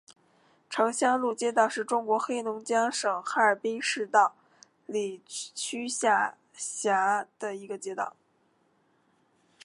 城乡路街道是中国黑龙江省哈尔滨市道里区下辖的一个街道。